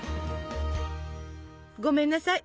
ごめんなさい